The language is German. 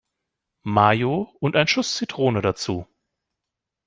Mayo und ein Schuss Zitrone dazu.